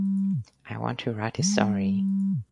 I want to write a story.